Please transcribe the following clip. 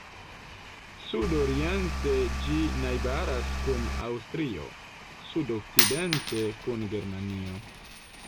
Sudoriente ĝi najbaras kun Aŭstrio, sudokcidente kun Germanio.